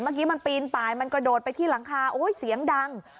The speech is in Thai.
เมื่อกี้มันปีนไปมันกระโดดไปที่หลังคาโอ้ยเสียงดัง